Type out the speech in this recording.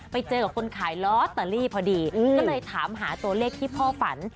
ไปเจอกับคนขายลอตเตอรี่พอดีก็เลยถามหาตัวเลขที่พ่อฝัน